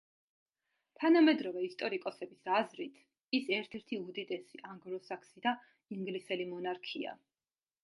თანამედროვე ისტორიკოსების აზრით ის ერთ-ერთი უდიდესი ანგლო-საქსი და ინგლისელი მონარქია.